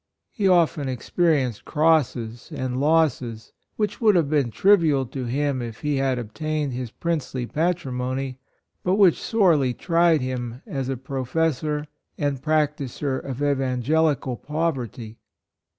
He often experienced crosses and losses, which would have been trivial to him if he had obtained his princely patrimony, but which sorely tried him as a professor and practiser of evangelical poverty.